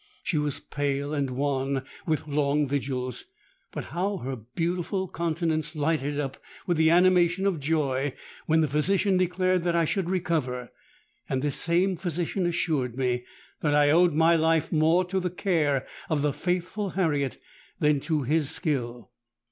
She was pale and wan with long vigils; but how her beautiful countenance lighted up with the animation of joy, when the physician declared that I should recover. And this same physician assured me that I owed my life more to the care of the faithful Harriet than to his skill.